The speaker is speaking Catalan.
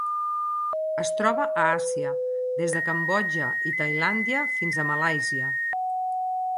Es troba a Àsia: des de Cambodja i Tailàndia fins a Malàisia.